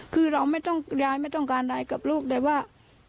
คือเราไม่ต้องย้ายไม่ต้องการใดกับลูกแต่ว่า